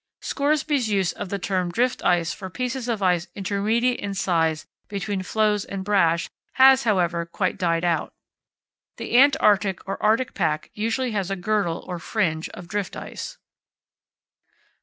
(Scoresby's use of the term drift ice for pieces of ice intermediate in size between floes and brash has, however, quite died out). The Antarctic or Arctic pack usually has a girdle or fringe of drift ice.